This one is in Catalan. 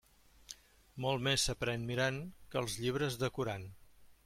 Molt més s'aprén mirant que els llibres decorant.